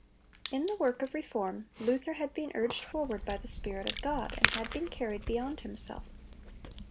In the work of reform, Luther had been urged forward by the Spirit of God, and had been carried beyond himself.